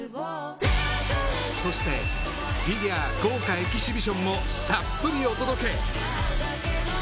そして、フィギュア豪華エキシビションもたっぷりお届け。